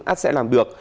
át sẽ làm được